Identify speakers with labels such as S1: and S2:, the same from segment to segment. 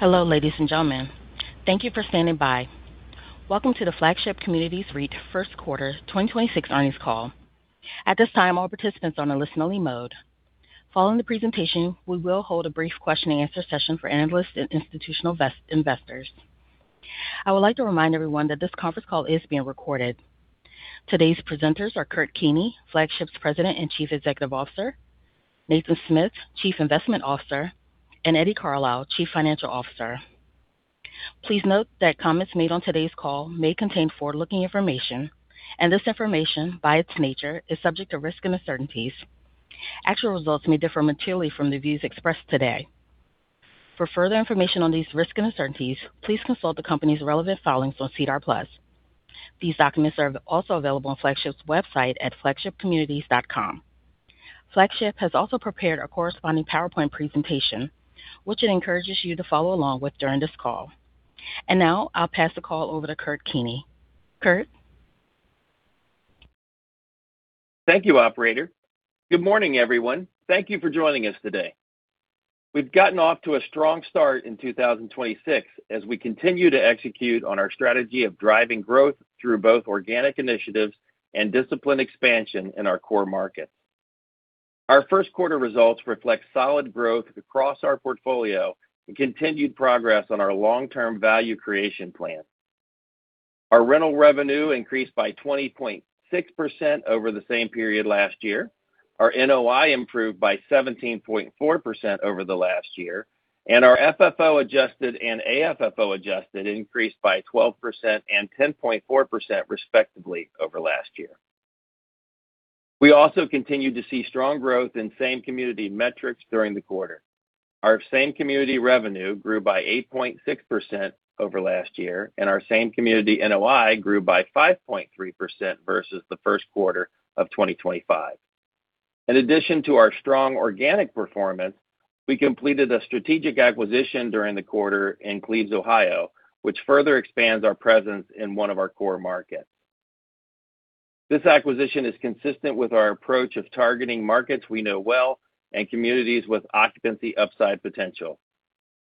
S1: Hello, ladies and gentlemen. Thank you for standing by. Welcome to the Flagship Communities REIT First Quarter 2026 Earnings Call. At this time, all participants are on a listen-only mode. Following the presentation, we will hold a brief question-and-answer session for analysts and institutional investors. I would like to remind everyone that this conference call is being recorded. Today's presenters are Kurt Keeney, Flagship's President and Chief Executive Officer, Nathan Smith, Chief Investment Officer, and Eddie Carlisle, Chief Financial Officer. Please note that comments made on today's call may contain forward-looking information, and this information, by its nature, is subject to risks and uncertainties. Actual results may differ materially from the views expressed today. For further information on these risks and uncertainties, please consult the company's relevant filings on SEDAR+. These documents are also available on Flagship's website at flagshipcommunities.com. Flagship has also prepared a corresponding PowerPoint presentation, which it encourages you to follow along with during this call. Now I'll pass the call over to Kurt Keeney. Kurt?
S2: Thank you, operator. Good morning, everyone. Thank you for joining us today. We've gotten off to a strong start in 2026 as we continue to execute on our strategy of driving growth through both organic initiatives and disciplined expansion in our core markets. Our first quarter results reflect solid growth across our portfolio and continued progress on our long-term value creation plan. Our rental revenue increased by 20.6% over the same period last year. Our NOI improved by 17.4% over the last year, and our FFO adjusted and AFFO adjusted increased by 12% and 10.4% respectively over last year. We also continued to see strong growth in same-community metrics during the quarter. Our same-community revenue grew by 8.6% over last year. Our same-community NOI grew by 5.3% versus the first quarter of 2025. In addition to our strong organic performance, we completed a strategic acquisition during the quarter in Cleves, Ohio, which further expands our presence in one of our core markets. This acquisition is consistent with our approach of targeting markets we know well and communities with occupancy upside potential.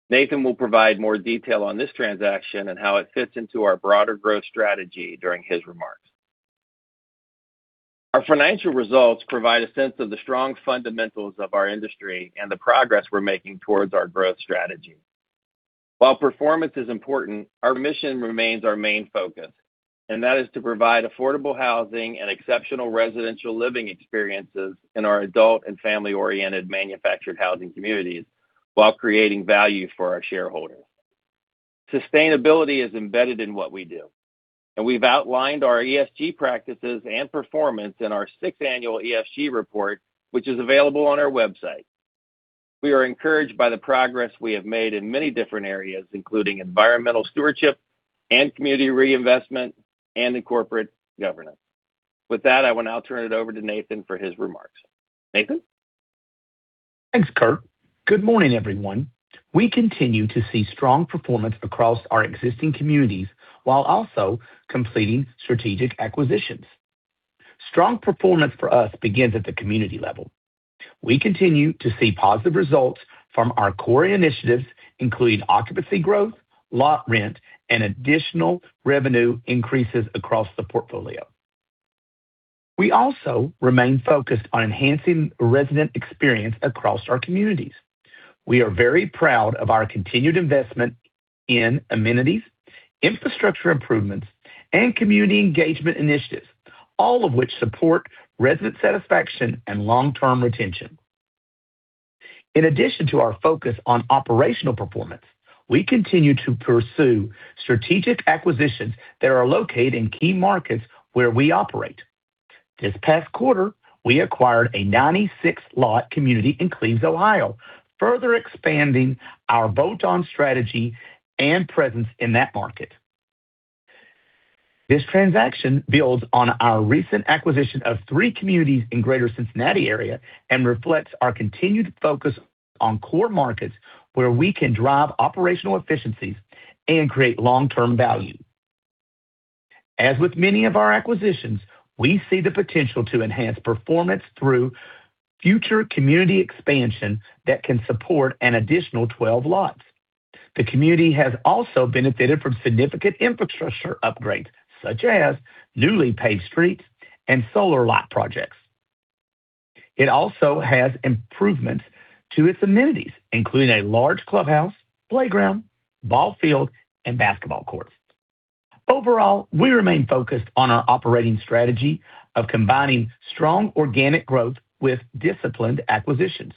S2: Nathan will provide more detail on this transaction and how it fits into our broader growth strategy during his remarks. Our financial results provide a sense of the strong fundamentals of our industry and the progress we're making towards our growth strategy. While performance is important, our mission remains our main focus. That is to provide affordable housing and exceptional residential living experiences in our adult and family-oriented manufactured housing communities while creating value for our shareholders. Sustainability is embedded in what we do. We've outlined our ESG practices and performance in our sixth annual ESG report, which is available on our website. We are encouraged by the progress we have made in many different areas, including environmental stewardship and community reinvestment and in corporate governance. With that, I will now turn it over to Nathan for his remarks. Nathan?
S3: Thanks, Kurt. Good morning, everyone. We continue to see strong performance across our existing communities while also completing strategic acquisitions. Strong performance for us begins at the community level. We continue to see positive results from our core initiatives, including occupancy growth, lot rent, and additional revenue increases across the portfolio. We also remain focused on enhancing resident experience across our communities. We are very proud of our continued investment in amenities, infrastructure improvements, and community engagement initiatives, all of which support resident satisfaction and long-term retention. In addition to our focus on operational performance, we continue to pursue strategic acquisitions that are located in key markets where we operate. This past quarter, we acquired a 96-lot community in Cleves, Ohio, further expanding our bolt-on strategy and presence in that market. This transaction builds on our recent acquisition of three communities in Greater Cincinnati area and reflects our continued focus on core markets where we can drive operational efficiencies and create long-term value. As with many of our acquisitions, we see the potential to enhance performance through future community expansion that can support an additional 12 lots. The community has also benefited from significant infrastructure upgrades, such as newly paved streets and solar lot projects. It also has improvements to its amenities, including a large clubhouse, playground, ball field, and basketball courts. Overall, we remain focused on our operating strategy of combining strong organic growth with disciplined acquisitions.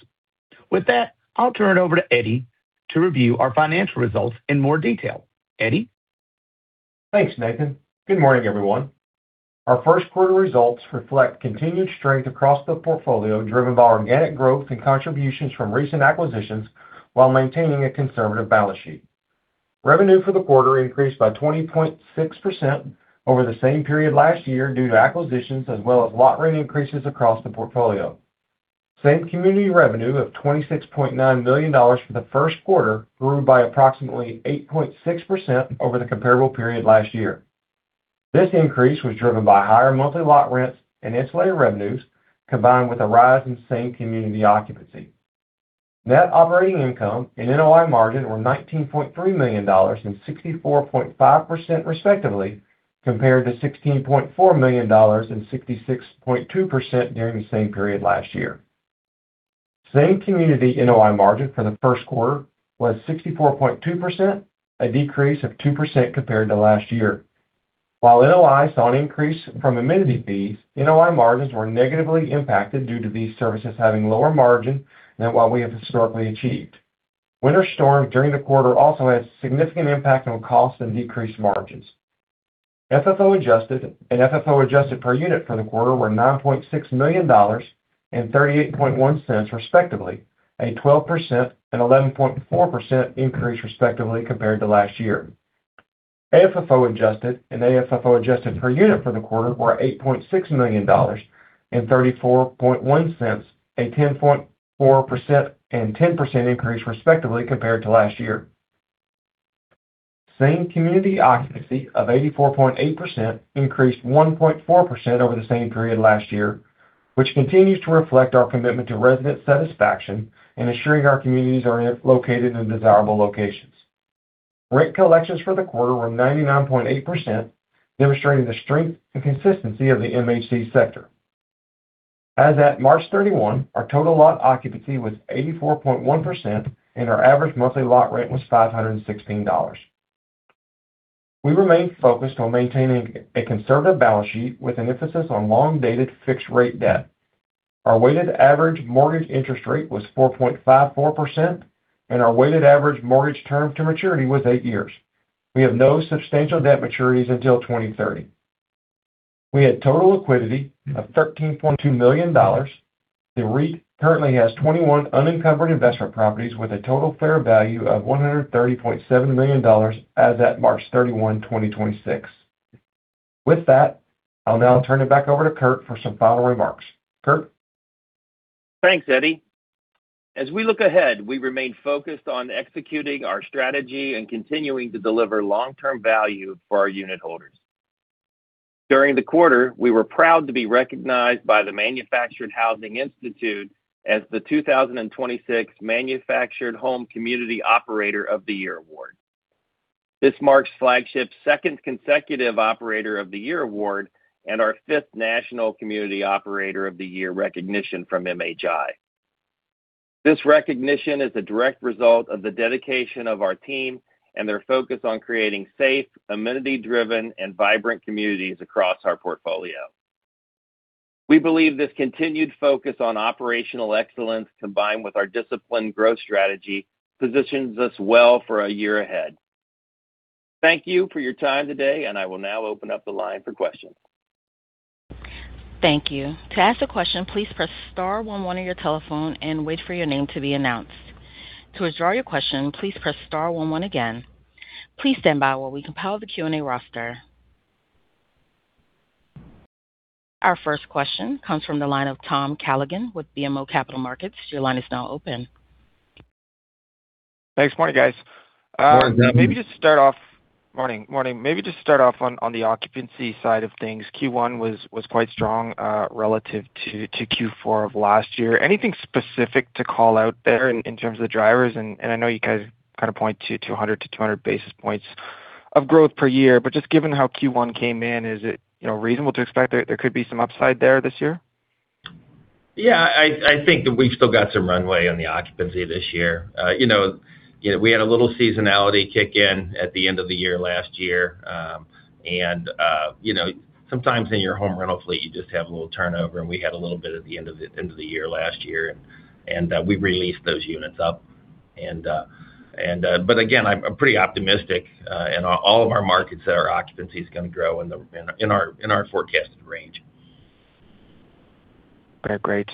S3: With that, I'll turn it over to Eddie to review our financial results in more detail. Eddie?
S4: Thanks, Nathan. Good morning, everyone. Our first quarter results reflect continued strength across the portfolio, driven by organic growth and contributions from recent acquisitions while maintaining a conservative balance sheet. Revenue for the quarter increased by 20.6% over the same period last year due to acquisitions as well as lot rent increases across the portfolio. Same community revenue of $26.9 million for the first quarter grew by approximately 8.6% over the comparable period last year. This increase was driven by higher monthly lot rents and ancillary revenues combined with a rise in same community occupancy. Net operating income and NOI margin were $19.3 million and 64.5% respectively compared to $16.4 million and 66.2% during the same period last year. Same community NOI margin for the first quarter was 64.2%, a decrease of 2% compared to last year. While NOI saw an increase from amenity fees, NOI margins were negatively impacted due to these services having lower margin than what we have historically achieved. Winter storm during the quarter also had significant impact on costs and decreased margins. FFO adjusted and FFO adjusted per unit for the quarter were $9.6 million and $0.381 respectively, a 12% and 11.4% increase respectively compared to last year. AFFO adjusted and AFFO adjusted per unit for the quarter were $8.6 million and $0.341, a 10.4% and 10% increase respectively compared to last year. Same community occupancy of 84.8% increased 1.4% over the same period last year, which continues to reflect our commitment to resident satisfaction and ensuring our communities are located in desirable locations. Rent collections for the quarter were 99.8%, demonstrating the strength and consistency of the MHC sector. As at March 31, our total lot occupancy was 84.1%, and our average monthly lot rent was $516. We remain focused on maintaining a conservative balance sheet with an emphasis on long-dated fixed rate debt. Our weighted average mortgage interest rate was 4.54%, and our weighted average mortgage term to maturity was eight years. We have no substantial debt maturities until 2030. We had total liquidity of $13.2 million. The REIT currently has 21 unencumbered investment properties with a total fair value of $130.7 million as at March 31, 2026. With that, I'll now turn it back over to Kurt for some final remarks. Kurt?
S2: Thanks, Eddie. As we look ahead, we remain focused on executing our strategy and continuing to deliver long-term value for our unit holders. During the quarter, we were proud to be recognized by the Manufactured Housing Institute as the 2026 Manufactured Home Community Operator of the Year award. This marks Flagship's second consecutive Operator of the Year award and our fifth national Community Operator of the Year recognition from MHI. This recognition is a direct result of the dedication of our team and their focus on creating safe, amenity-driven, and vibrant communities across our portfolio. We believe this continued focus on operational excellence, combined with our disciplined growth strategy, positions us well for a year ahead. Thank you for your time today, and I will now open up the line for questions.
S1: Thank you. To ask a question, please press star one one on your telephone and wait for your name to be announce. To withdraw you question, please press star one one again. Please standby while we compile our Q&A roster. Our first question comes from the line of Tom Callaghan with BMO Capital Markets. Your line is now open.
S5: Thanks. Morning, guys.
S2: Morning, Tom.
S5: Morning. Maybe just start off on the occupancy side of things. Q1 was quite strong, relative to Q4 of last year. Anything specific to call out there in terms of the drivers? I know you guys kind of point to 100-200 basis points of growth per year, but just given how Q1 came in, is it, you know, reasonable to expect there could be some upside there this year?
S2: Yeah, I think that we've still got some runway on the occupancy this year. You know, we had a little seasonality kick in at the end of the year last year. You know, sometimes in your home rental fleet, you just have a little turnover, and we had a little bit at the end of the year last year, and we've released those units up. Again, I'm pretty optimistic in all of our markets that our occupancy is gonna grow in our forecasted range.
S5: Great.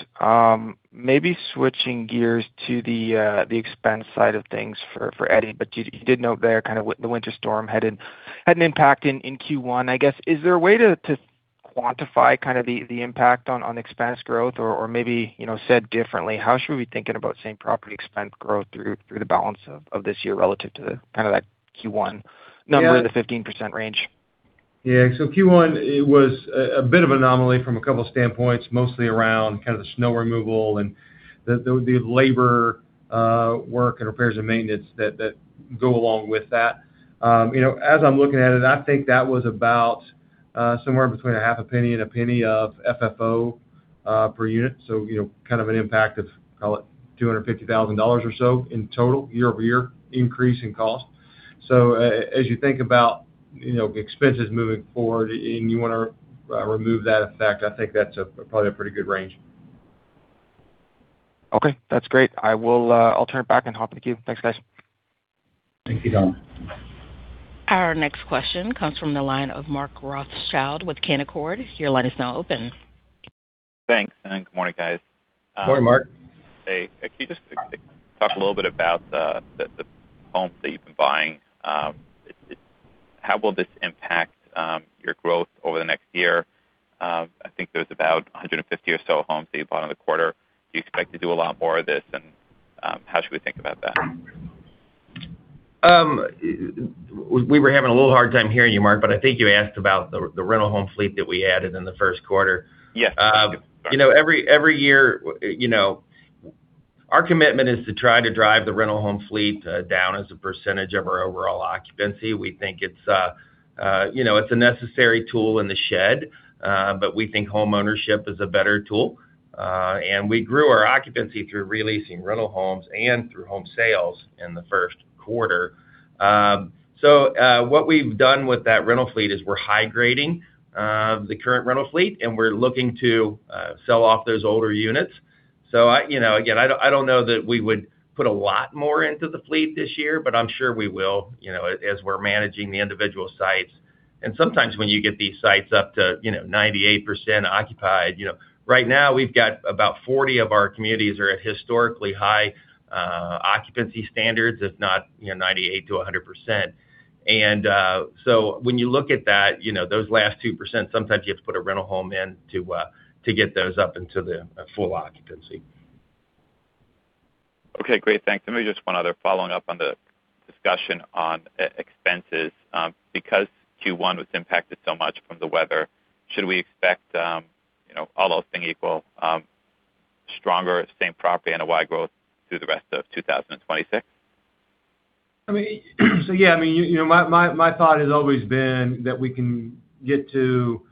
S5: Maybe switching gears to the expense side of things for Eddie, you did note there the winter storm had an impact in Q1. I guess, is there a way to quantify the impact on expense growth? Maybe, you know, said differently, how should we be thinking about same property expense growth through the balance of this year relative to the kind of that Q1?
S4: Yeah
S5: number in the 15% range?
S4: Yeah. Q1, it was a bit of anomaly from a couple standpoints, mostly around kind of the snow removal and the labor work and repair and maintenance that go along with that. You know, as I'm looking at it, I think that was about somewhere between $0.005 and $0.01 of FFO per unit. You know, kind of an impact of, call it $250,000 or so in total year-over-year increase in cost. As you think about, you know, expenses moving forward and you wanna remove that effect, I think that's a, probably a pretty good range.
S5: Okay, that's great. I will, I'll turn it back and hop in the queue. Thanks, guys.
S4: Thank you, Tom.
S1: Our next question comes from the line of Mark Rothschild with Canaccord. Your line is now open.
S6: Thanks, and good morning, guys.
S2: Morning, Mark.
S6: Hey. Could you just talk a little bit about the homes that you've been buying? How will this impact your growth over the next year? I think there's about 150 or so homes that you bought in the quarter. Do you expect to do a lot more of this, and how should we think about that?
S2: We were having a little hard time hearing you, Mark, but I think you asked about the rental home fleet that we added in the first quarter.
S6: Yes.
S2: You know, every year, you know, our commitment is to try to drive the rental home fleet down as a percentage of our overall occupancy. We think it's, you know, a necessary tool in the shed, but we think homeownership is a better tool. We grew our occupancy through releasing rental homes and through home sales in the first quarter. What we've done with that rental fleet is we're high-grading the current rental fleet, and we're looking to sell off those older units. I, you know, again, I don't know that we would put a lot more into the fleet this year, but I'm sure we will, you know, as we're managing the individual sites. Sometimes when you get these sites up to, you know, 98% occupied, you know. Right now we've got about 40 of our communities are at historically high occupancy standards, if not, you know, 98%-100%. When you look at that, you know, those last 2%, sometimes you have to put a rental home in to get those up into the full occupancy.
S6: Okay, great. Thanks. Let me just one other following up on the discussion on expenses. Because Q1 was impacted so much from the weather, should we expect, you know, all else being equal, stronger same property NOI growth through the rest of 2026?
S4: I mean, yeah, I mean, you know, my thought has always been that we can get to,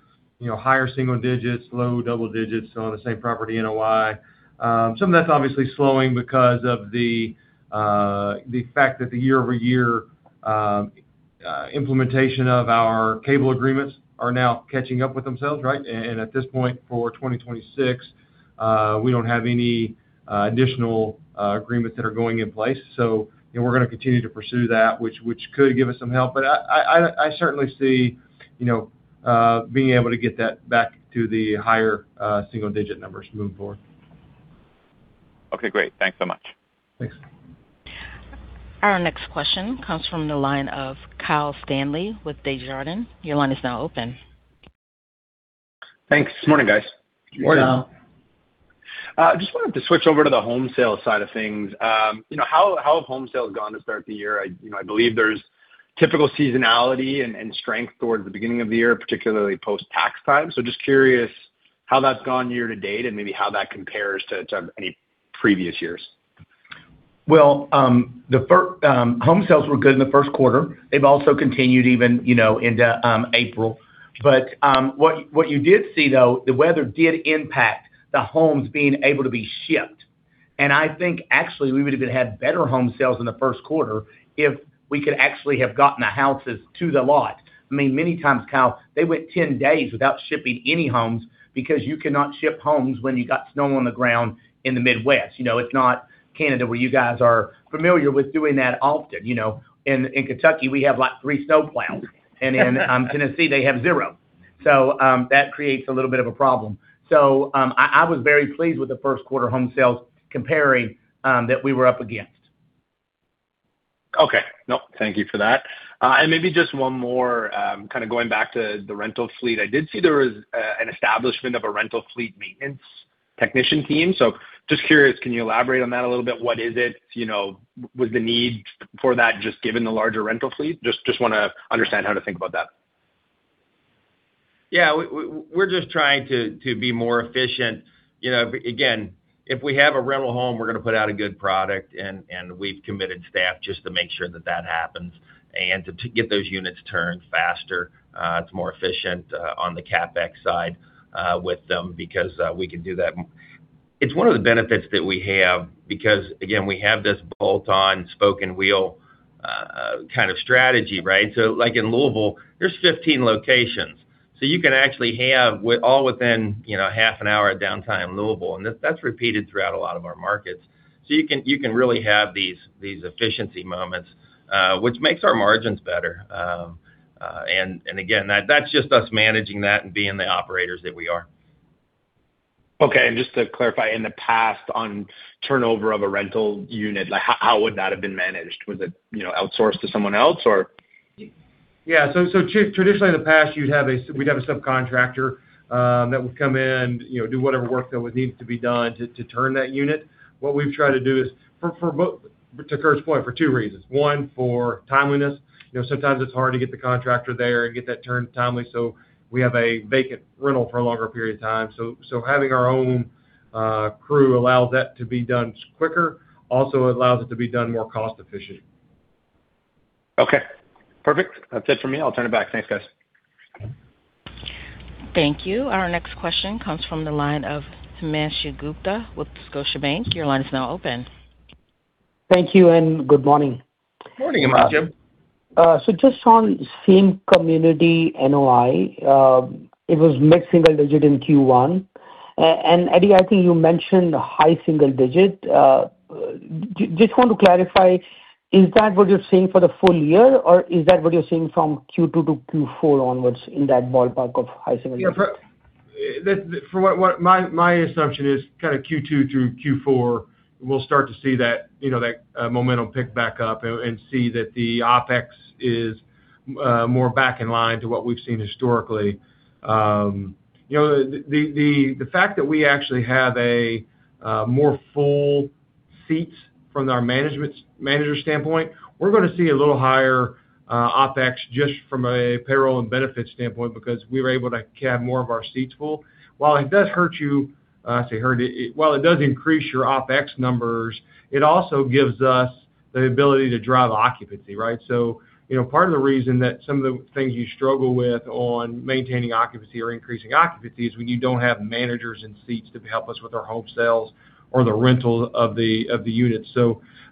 S4: you know, higher single-digits, low double-digits on the same property NOI. Some of that's obviously slowing because of the fact that the year-over-year implementation of our cable agreements are now catching up with themselves, right? At this point for 2026, we don't have any additional agreements that are going in place. You know, we're gonna continue to pursue that which could give us some help. I certainly see, you know, being able to get that back to the higher single-digit numbers moving forward.
S6: Okay, great. Thanks so much.
S4: Thanks.
S1: Our next question comes from the line of Kyle Stanley with Desjardins. Your line is now open.
S7: Thanks. Morning, guys.
S4: Morning.
S2: Morning.
S7: Just wanted to switch over to the home sales side of things. You know, how have home sales gone to start the year? I, you know, I believe there's typical seasonality and strength towards the beginning of the year, particularly post-tax time. Just curious how that's gone year to date and maybe how that compares to any previous years.
S2: Well, home sales were good in the first quarter. They've also continued even, you know, into April. What you did see, though, the weather did impact the homes being able to be shipped. I think actually we would have had better home sales in the first quarter if we could actually have gotten the houses to the lot. I mean, many times, Kyle, they went 10 days without shipping any homes because you cannot ship homes when you got snow on the ground in the Midwest. You know, it's not Canada where you guys are familiar with doing that often. You know, in Kentucky, we have, like, three snowplows. In Tennessee, they have zero. That creates a little bit of a problem. I was very pleased with the first quarter home sales comparing that we were up against.
S7: Okay. No, thank you for that. Maybe just one more, kind of going back to the rental fleet. I did see there was an establishment of a rental fleet maintenance technician team. Just curious, can you elaborate on that a little bit? What is it? You know, was the need for that just given the larger rental fleet? Just wanna understand how to think about that.
S2: We're just trying to be more efficient. You know, again, if we have a rental home, we're gonna put out a good product, and we've committed staff just to make sure that that happens and to get those units turned faster. It's more efficient on the CapEx side with them because we can do that. It's one of the benefits that we have because, again, we have this bolt-on spoken wheel kind of strategy, right? Like in Louisville, there's 15 locations. You can actually have with all within, you know, half an hour of downtown Louisville, and that's repeated throughout a lot of our markets. You can really have these efficiency moments, which makes our margins better. And again, that's just us managing that and being the operators that we are.
S7: Okay. Just to clarify, in the past on turnover of a rental unit, like how would that have been managed? Was it, you know, outsourced to someone else or?
S4: Yeah. Traditionally in the past, you'd have a subcontractor that would come in, you know, do whatever work that would need to be done to turn that unit. What we've tried to do is to Kurt's point, for two reasons. One, for timeliness. You know, sometimes it's hard to get the contractor there and get that turned timely, so we have a vacant rental for a longer period of time. Having our own crew allows that to be done quicker, also allows it to be done more cost-efficient.
S7: Okay, perfect. That's it for me. I'll turn it back. Thanks, guys.
S1: Thank you. Our next question comes from the line of Himanshu Gupta with Scotiabank. Your line is now open.
S8: Thank you, and good morning.
S2: Morning, Himanshu.
S8: Just on same community NOI, it was mid-single digit in Q1. Eddie, I think you mentioned high single digit. Just want to clarify, is that what you're seeing for the full year, or is that what you're seeing from Q2 to Q4 onwards in that ballpark of high single digit?
S4: For what my assumption is kind of Q2 through Q4, we'll start to see that, you know, that momentum pick back up and see that the OpEx is more back in line to what we've seen historically. You know, the fact that we actually have a more full seat from our management standpoint, we're gonna see a little higher OpEx just from a payroll and benefits standpoint because we were able to have more of our seats full. While it does hurt you, I say hurt it, while it does increase your OpEx numbers, it also gives us the ability to drive occupancy, right? You know, part of the reason that some of the things you struggle with on maintaining occupancy or increasing occupancy is when you don't have managers in seats to help us with our home sales or the rental of the units.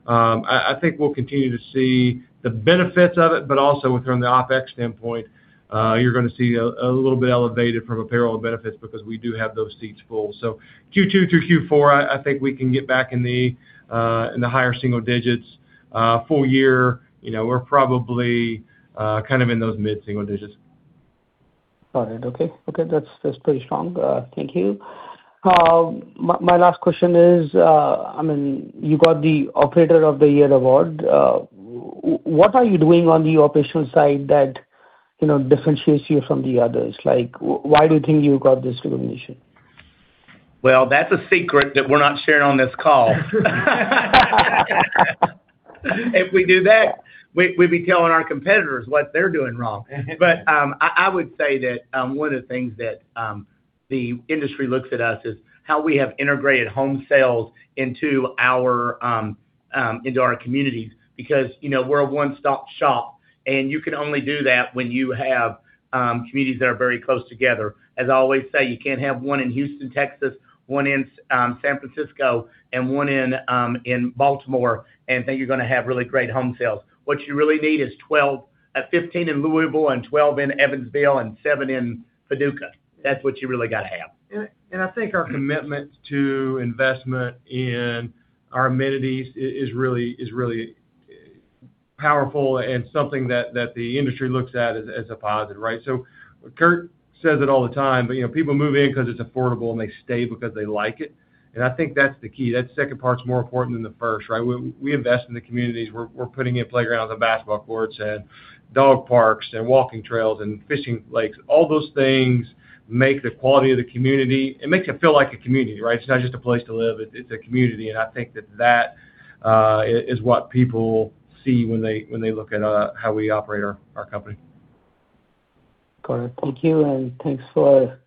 S4: I think we'll continue to see the benefits of it, but also from the OpEx standpoint, you're gonna see a little bit elevated from a payroll and benefits because we do have those seats full. Q2 through Q4, I think we can get back in the higher single digits. Full year, you know, we're probably kind of in those mid-single digits.
S8: All right. Okay. Okay, that's pretty strong. Thank you. My last question is, I mean, you got the Operator of the Year award. What are you doing on the operational side that, you know, differentiates you from the others? Like, why do you think you got this recognition?
S2: Well, that's a secret that we're not sharing on this call. If we do that, we'd be telling our competitors what they're doing wrong. I would say that one of the things that the industry looks at us is how we have integrated home sales into our communities because, you know, we're a one-stop shop, and you can only do that when you have communities that are very close together. As I always say, you can't have one in Houston, Texas, one in San Francisco, and one in Baltimore and think you're gonna have really great home sales. What you really need is 12, 15 in Louisville and 12 in Evansville and seven in Paducah. That's what you really gotta have.
S4: I think our commitment to investment in our amenities is really powerful and something that the industry looks at as a positive, right? Kurt says it all the time, but you know, people move in because it's affordable, and they stay because they like it, and I think that's the key. That second part's more important than the first, right? We invest in the communities. We're putting in playgrounds and basketball courts and dog parks and walking trails and fishing lakes. All those things make the quality of the community. It makes it feel like a community, right? It's not just a place to live. It's a community, and I think that is what people see when they look at how we operate our company.
S8: Got it. Thank you, and thanks for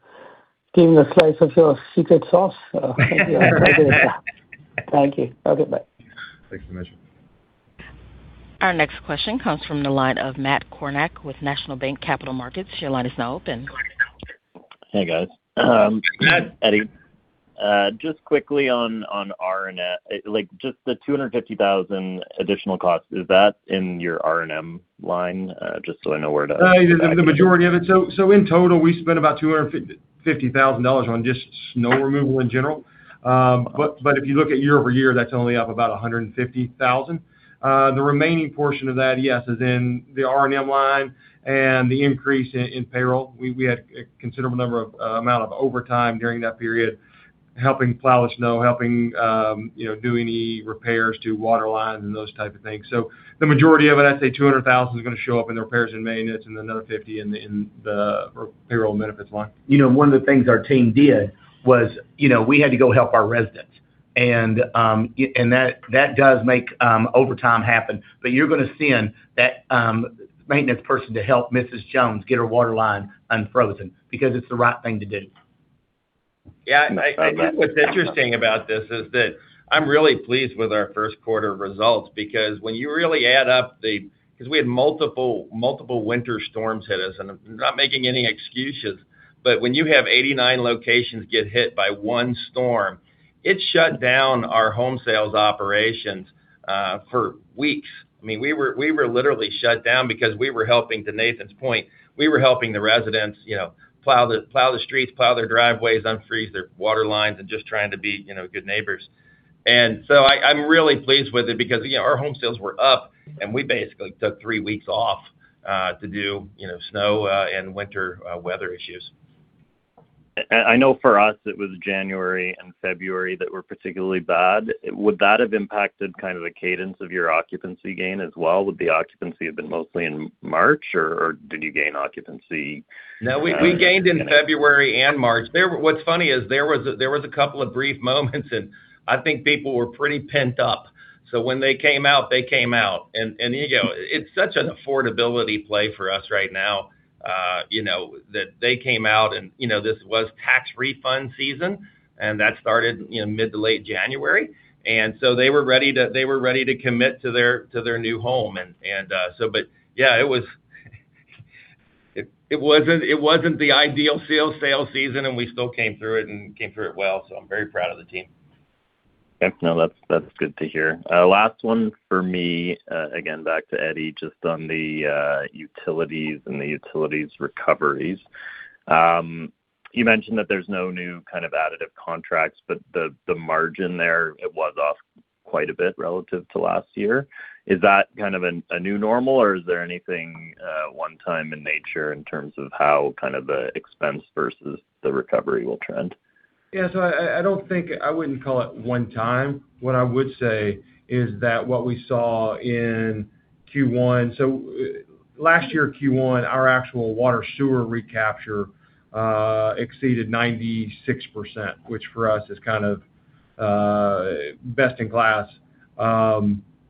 S8: giving a slice of your secret sauce. Thank you. Okay, bye.
S4: Thanks so much.
S1: Our next question comes from the line of Matt Kornack with National Bank Capital Markets. Your line is now open.
S9: Hey, guys.
S2: Matt.
S9: Eddie. Just quickly on R&M, like, just the $250,000 additional cost, is that in your R&M line?
S4: The majority of it. In total, we spent about $250,000 on just snow removal in general. If you look at year-over-year, that's only up about $150,000. The remaining portion of that, yes, is in the R&M line and the increase in payroll. We had a considerable amount of overtime during that period helping plow snow, helping, you know, do any repairs to water lines and those type of things. The majority of it, I'd say $200,000, is gonna show up in the repairs and maintenance and another $50,000 in the payroll and benefits line.
S3: You know, one of the things our team did was, you know, we had to go help our residents. That does make overtime happen. You're gonna send that maintenance person to help Mrs. Jones get her water line unfrozen because it's the right thing to do.
S2: Yeah. I think what's interesting about this is that I'm really pleased with our first quarter results because when you really add up the we had multiple winter storms hit us, and I'm not making any excuses. When you have 89 locations get hit by one storm, it shut down our home sales operations for weeks. I mean, we were literally shut down because we were helping, to Nathan's point, we were helping the residents, you know, plow the streets, plow their driveways, unfreeze their water lines, and just trying to be, you know, good neighbors. So I'm really pleased with it because, you know, our home sales were up, and we basically took three weeks off to do, you know, snow and winter weather issues.
S9: I know for us it was January and February that were particularly bad. Would that have impacted kind of the cadence of your occupancy gain as well? Would the occupancy have been mostly in March, or did you gain occupancy?
S2: No, we gained in February and March. What's funny is there was a couple of brief moments, and I think people were pretty pent up. When they came out, they came out. You know, it's such an affordability play for us right now, you know, that they came out and, you know, this was tax refund season, and that started in mid to late January. They were ready to commit to their new home. But yeah, it was, it wasn't the ideal sale season, and we still came through it and came through it well, so I'm very proud of the team.
S9: Yep. No, that's good to hear. Last one for me, again, back to Eddie, just on the utilities and the utilities recoveries. You mentioned that there's no new kind of additive contracts, but the margin there, it was off quite a bit relative to last year. Is that kind of a new normal, or is there anything one time in nature in terms of how kind of the expense versus the recovery will trend?
S4: I don't think I wouldn't call it one time. What I would say is that what we saw in Q1 last year Q1, our actual water sewer recapture exceeded 96%, which for us is kind of best in class.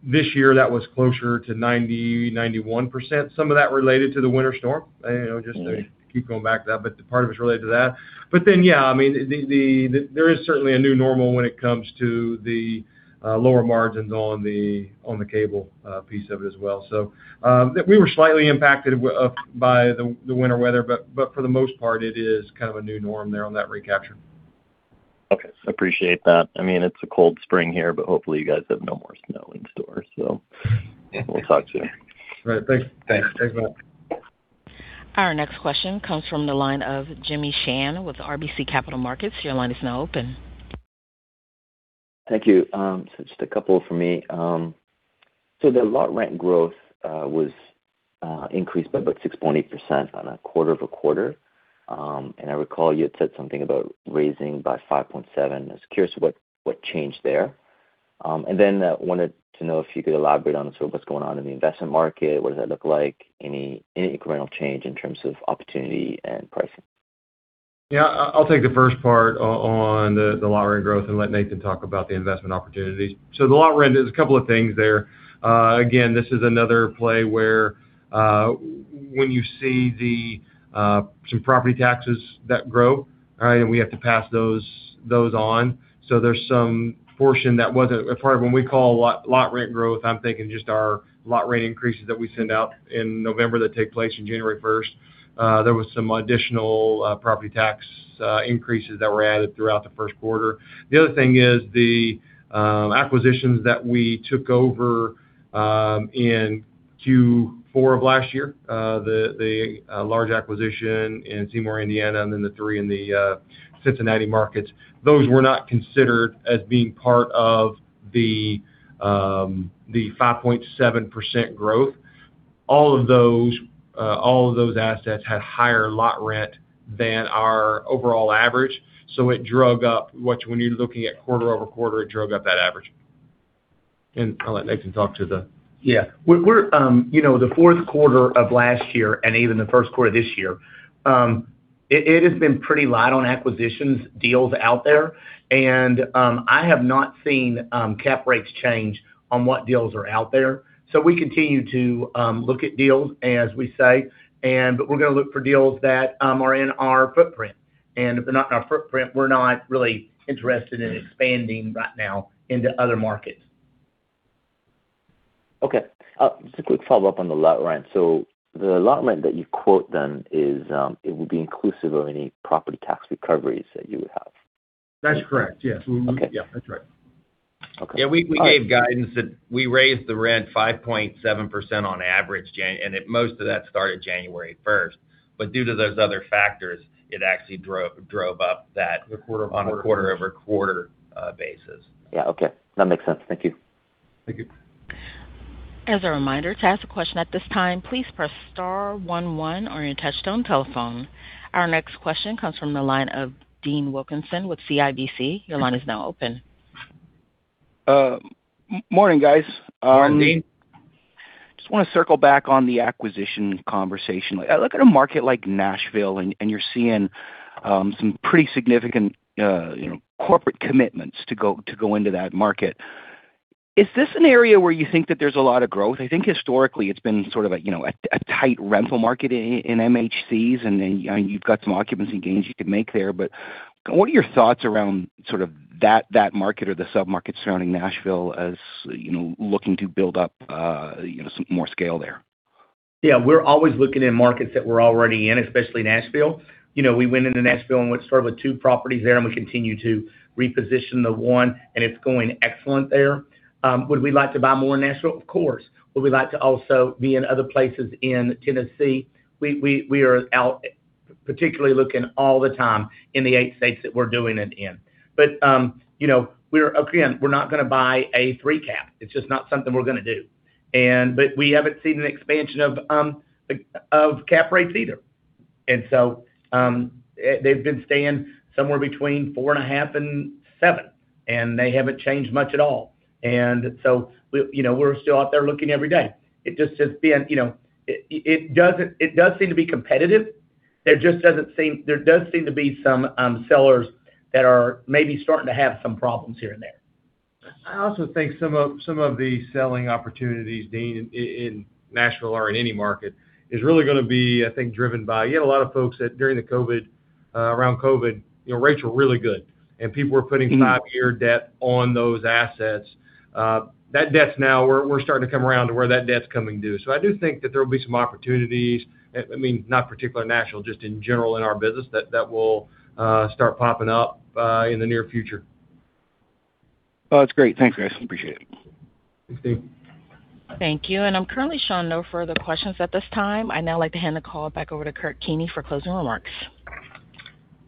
S4: This year that was closer to 90%, 91%. Some of that related to the winter storm, you know, just to keep going back to that, but part of it's related to that. I mean, there is certainly a new normal when it comes to the lower margins on the cable piece of it as well. We were slightly impacted by the winter weather, but for the most part, it is kind of a new norm there on that recapture.
S9: Okay. Appreciate that. I mean, it's a cold spring here, but hopefully you guys have no more snow in store, so.
S4: Yeah.
S9: We'll talk soon.
S4: All right. Thanks.
S2: Thanks.
S4: Thanks, bye.
S1: Our next question comes from the line of Jimmy Shan with RBC Capital Markets. Your line is now open.
S10: Thank you. Just a couple from me. The lot rent growth was increased by about 6.8% on a quarter-over-quarter. I recall you had said something about raising by 5.7%. I was curious what changed there. Wanted to know if you could elaborate on sort of what's going on in the investment market. What does that look like? Any incremental change in terms of opportunity and pricing?
S4: I'll take the first part on the lot rent growth and let Nathan talk about the investment opportunities. The lot rent, there's a couple of things there. Again, this is another play where when you see the some property taxes that grow, right, and we have to pass those on. There's some portion that wasn't a part of them we call lot rent growth, I'm thinking just our lot rent increases that we send out in November that take place in January 1st. There was some additional property tax increases that were added throughout the first quarter. The other thing is the acquisitions that we took over in Q4 of last year, the large acquisition in Seymour, Indiana, and then the three in the Cincinnati markets. Those were not considered as being part of the 5.7% growth. All of those assets had higher lot rent than our overall average, so When you're looking at quarter-over-quarter, it drug up that average. I'll let Nathan talk to the.
S3: Yeah. We're, you know, the fourth quarter of last year and even the first quarter this year, it has been pretty light on acquisitions deals out there. I have not seen cap rates change on what deals are out there. We continue to look at deals, as we say, but we're gonna look for deals that are in our footprint. If they're not in our footprint, we're not really interested in expanding right now into other markets.
S10: Okay. Just a quick follow-up on the lot rent. The lot rent that you quote then is, it would be inclusive of any property tax recoveries that you would have?
S4: That's correct. Yes.
S10: Okay.
S4: Yeah, that's right.
S10: Okay. All right.
S2: Yeah. We gave guidance that we raised the rent 5.7% on average January. Most of that started January 1st. Due to those other factors, it actually drove up.
S4: The quarter-over-quarter basis.
S10: Yeah. Okay. That makes sense. Thank you.
S4: Thank you.
S1: As a reminder, to ask a question at this time, please press star one one on your touch-tone telephone. Our next question comes from the line of Dean Wilkinson with CIBC. Your line is now open.
S11: Morning, guys.
S2: Morning, Dean.
S11: Just wanna circle back on the acquisition conversation. Like, I look at a market like Nashville, and you're seeing, you know, some pretty significant corporate commitments to go into that market. Is this an area where you think that there's a lot of growth? I think historically it's been sort of a, you know, a tight rental market in MHCs, then, you know, you've got some occupancy gains you could make there. What are your thoughts around sort of that market or the sub-markets surrounding Nashville as, you know, looking to build up, you know, some more scale there?
S3: Yeah. We're always looking in markets that we're already in, especially Nashville. You know, we went into Nashville and went sort of with two properties there, and we continue to reposition the one, and it's going excellent there. Would we like to buy more in Nashville? Of course. Would we like to also be in other places in Tennessee? We are out particularly looking all the time in the eight states that we're doing it in. You know, Again, we're not gonna buy a three-cap. It's just not something we're gonna do. We haven't seen an expansion of cap rates either. They've been staying somewhere between 4.5 and 7, and they haven't changed much at all. We, you know, we're still out there looking every day. It just has been, you know, it does seem to be competitive. There does seem to be some sellers that are maybe starting to have some problems here and there.
S4: I also think some of the selling opportunities, Dean, in Nashville or in any market, is really gonna be, I think, driven by You had a lot of folks that during the COVID, around COVID, you know, rates were really good. Five-year debt on those assets. That debt now we're starting to come around to where that debt's coming due. I do think that there will be some opportunities, I mean, not particular in Nashville, just in general in our business, that will start popping up in the near future.
S11: Well, that's great. Thanks, guys. Appreciate it.
S4: Thanks, Dean.
S1: Thank you. I'm currently showing no further questions at this time. I'd now like to hand the call back over to Kurt Keeney for closing remarks.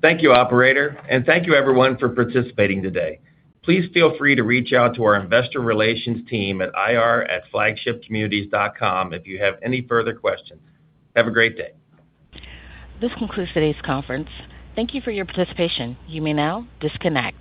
S2: Thank you, operator, and thank you everyone for participating today. Please feel free to reach out to our investor relations team at ir@flagshipcommunities.com if you have any further questions. Have a great day.
S1: This concludes today's conference. Thank you for your participation. You may now disconnect.